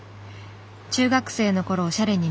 中学生の頃おしゃれに目覚め